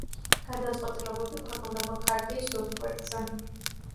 გადაწყვეტილებები ქვეყნდება ქარტიის ვებგვერდზე.